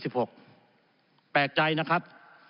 แปลกใจนะครับ